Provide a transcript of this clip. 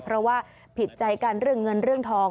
เพราะว่าผิดใจกันเรื่องเงินเรื่องทอง